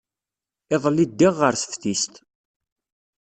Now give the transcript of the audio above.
Iḍelli ddiɣ ɣer teftist.